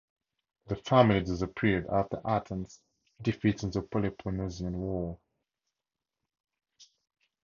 The family disappeared after Athens's defeat in the Peloponnesian War.